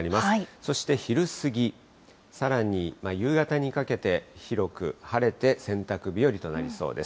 そして昼過ぎ、さらに夕方にかけて、広く晴れて、洗濯日和となりそうです。